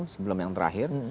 sebelum yang terakhir